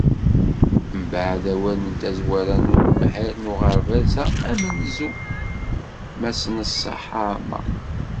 Mbeɛd awal n tazwara n unemhal n uɣerbaz-a amenzu, Mass Neṣṣaḥ Amar.